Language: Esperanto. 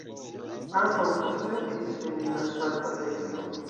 Ambaŭ postrestis en la Calpa-teksto.